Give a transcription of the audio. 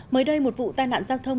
mới đây một vụ tai nạn giao thông